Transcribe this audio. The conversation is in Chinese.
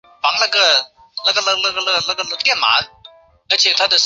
洛基的赌注是连续体谬误的一例。